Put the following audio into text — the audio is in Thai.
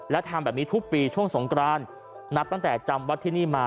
และทำแบบนี้ทุกปีช่วงสงกรานนับตั้งแต่จำวัดที่นี่มา